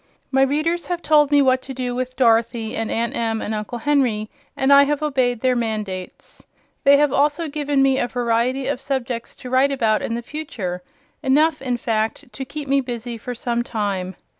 My readers have told me what to do with Dorothy, and Aunt Em and Uncle Henry, and I have obeyed their mandates. They have also given me a variety of subjects to write about in the future: enough, in fact, to keep me busy for some time.